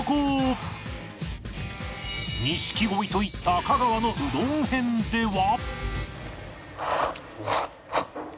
錦鯉と行った香川のうどん編では